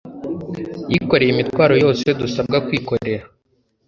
Yikoreye imitwaro yose dusabwa kwikorera.